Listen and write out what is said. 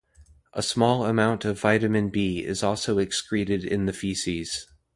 A small amount of vitamin B is also excreted in the feces.